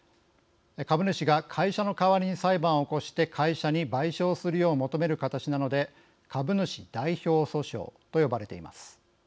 株主が会社の代わりに裁判を起こして会社に賠償するよう求める形なので株主代表訴訟と呼ばれています。